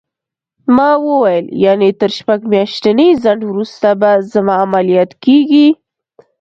ما وویل: یعنې تر شپږ میاشتني ځنډ وروسته به زما عملیات کېږي؟